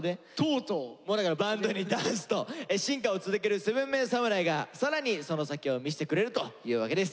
もうだからバンドにダンスと進化を続ける７ＭＥＮ侍が更にその先を見せてくれるというわけです。